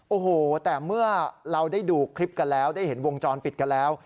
โอ้โหแต่เมื่อเราได้ดูคลิปกันแล้วได้เห็นวงจรปิดกันแล้ว